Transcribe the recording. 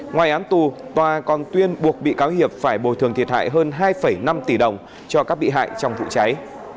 ngoài án tù tòa còn tuyên buộc bị cáo hiệp phải bồi thường thiệt hại hơn hai năm tỷ đồng cho các bị hại trong vụ cháy